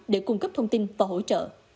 để cung cấp thông tin và hỗ trợ